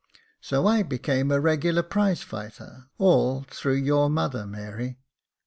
So I became a regular prize fighter, all through your mother, Mary.